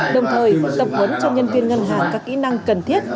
đồng thời tập huấn cho nhân viên ngân hàng các kỹ năng cần thiết